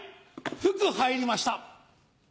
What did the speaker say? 福入りました！